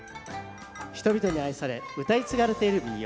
人々に愛されうたい継がれている民謡。